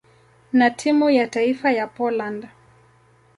na timu ya taifa ya Poland.